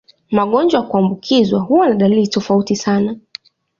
Magonjwa ya kuambukizwa huwa na dalili tofauti sana.